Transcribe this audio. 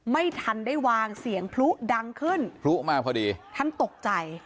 ไม่ทันได้วางเสียงพลุดังขึ้นพลุมาพอดีท่านตกใจ